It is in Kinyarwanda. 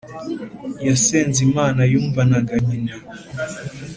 Yasenze Imana yumvanaga Nyina